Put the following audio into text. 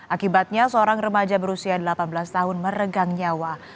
akibatnya seorang remaja berusia delapan belas tahun meregang nyawa